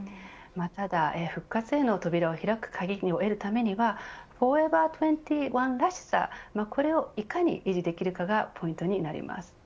ただ復活への扉を開く鍵を得るためにはフォーエバー２１らしさこれをいかに維持できるかがポイントになります。